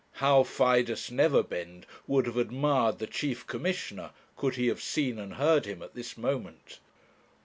How Fidus Neverbend would have admired the chief commissioner could he have seen and heard him at this moment!